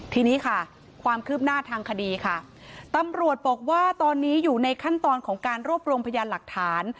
ทีนี้ค่ะความคืบหน้าทางคดีค่ะตำรวจบอกว่าตอนนี้อยู่ในขั้นตอนของการรวบรวมพยานหลักฐาน